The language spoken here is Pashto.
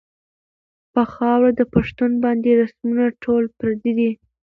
پۀ خاؤره د پښتون باندې رسمونه ټول پردي دي